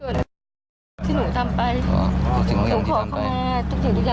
แล้วเจอกันอีก